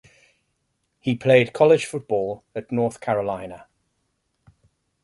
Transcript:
He played college football at North Carolina.